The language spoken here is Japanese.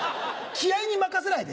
気合に任せないで。